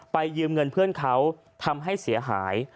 ยืมเงินเพื่อนเขาทำให้เสียหาย